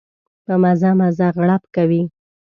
په مزه مزه غړپ کوي.